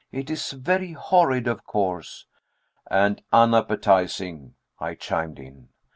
It is very horrid, of course." "And unappetizing!" I chimed in.